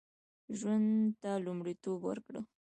ژوند ته لومړیتوب ورکړو